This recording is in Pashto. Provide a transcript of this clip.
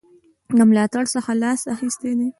د ملاتړ څخه لاس اخیستی دی.